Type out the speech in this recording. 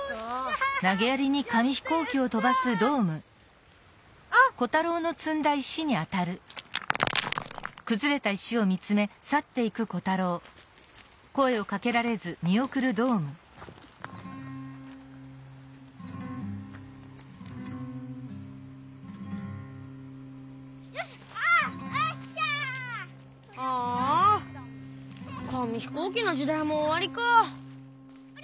ああ紙ひこうきのじだいもおわりか。